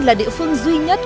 là địa phương duy nhất